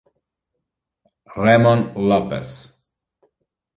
Ramon Lopes